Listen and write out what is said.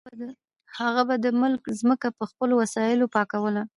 هغه به د مالک ځمکه په خپلو وسایلو پاکوله.